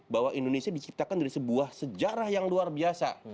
bahwa indonesia diciptakan dari sebuah sejarah yang luar biasa